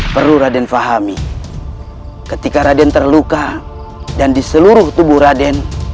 perlu raden fahami ketika raden terluka dan di seluruh tubuh raden